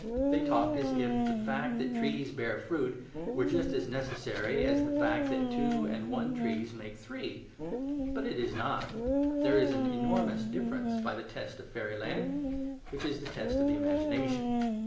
They talked as if the fact that trees bear fruit were just as NECESSARY as the fact that two and one trees make three. But it is not. There is an enormous difference by the test of fairyland; which is the test of the imagination.